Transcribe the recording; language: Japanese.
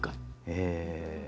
ええ。